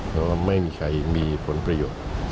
เพราะว่าไม่มีใครมีผลประโยชน์